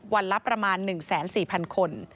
วันละประมาณ๑๔๐๐๐คน